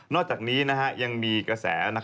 อกจากนี้ยังมีกระแส